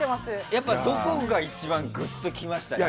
やっぱりどこが一番グッときましたか？